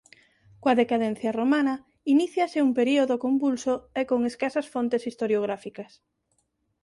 Coa decadencia romana iníciase un período convulso e con escasas fontes historiográficas.